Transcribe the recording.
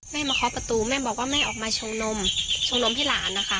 มาเคาะประตูแม่บอกว่าแม่ออกมาชงนมชงนมให้หลานนะคะ